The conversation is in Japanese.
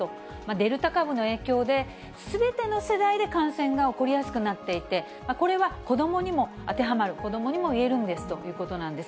デルタ株の影響で、すべての世代で感染が起こりやすくなっていて、これは子どもにも当てはまる、子どもにもいえるんですということなんです。